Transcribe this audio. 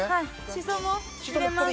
シソも入れます。